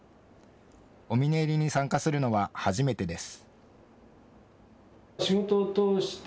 お峰入りに参加するのは初めてです。